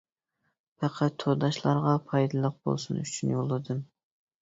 پەقەت تورداشلارغا پايدىلىق بولسۇن ئۈچۈن يوللىدىم.